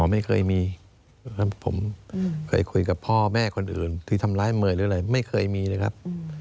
ไม่เคยมีผมเคยคุยกับพ่อแม่คนอื่นที่ทำร้ายเมย์หรืออะไรไม่เคยมีเลยครับ